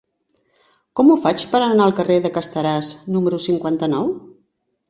Com ho faig per anar al carrer de Casteràs número cinquanta-nou?